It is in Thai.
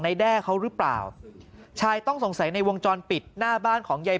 แด้เขาหรือเปล่าชายต้องสงสัยในวงจรปิดหน้าบ้านของยาย